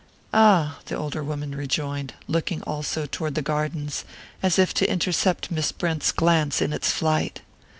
"Ah " the older woman rejoined, looking also toward the gardens, as if to intercept Miss Brent's glance in its flight.